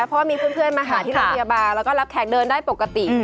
เพราะว่ามีเพื่อนมาหาที่โรงพยาบาลแล้วก็รับแขกเดินได้ปกติ